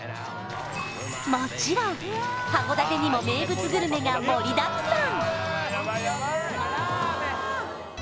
もちろん函館にも名物グルメがもりだくさん